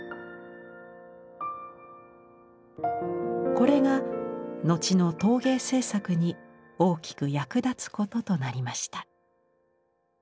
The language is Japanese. これが後の陶芸制作に大きく役立つこととなりました。